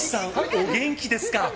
お元気ですか？